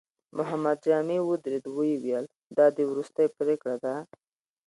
محمد جامي ودرېد، ويې ويل: دا دې وروستۍ پرېکړه ده؟